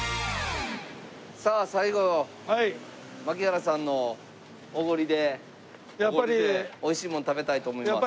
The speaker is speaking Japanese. さあ最後槙原さんのおごりでおいしいもん食べたいと思います。